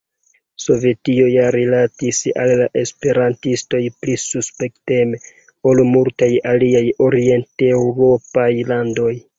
Sovetio ja rilatis al la esperantistoj pli suspekteme ol multaj aliaj orienteŭropaj landoj.